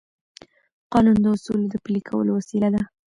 قانون د اصولو د پلي کولو وسیله ده.